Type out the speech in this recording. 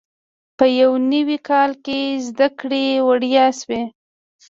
په یو نوي کال کې زده کړې وړیا شوې.